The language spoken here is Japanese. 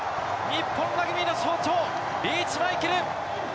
日本ラグビーの象徴、リーチマイケル。